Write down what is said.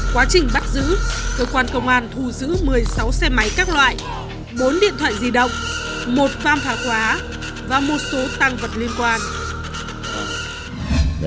quá trình bắt giữ cơ quan công an thu giữ một mươi sáu xe máy các loại bốn điện thoại di động một pham thà khóa và một số tăng vật liên quan